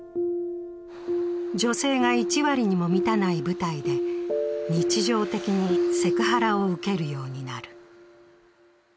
女性が１割にも満たない部隊で日常的にセクハラを受けるようになる。